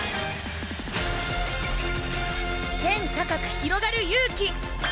天高くひろがる勇気！